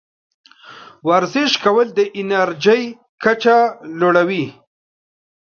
ورزش کول د انرژۍ کچه لوړوي.